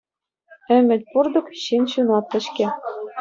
Ӗмӗт пур-тӑк – ҫын ҫунатлӑ-ҫке.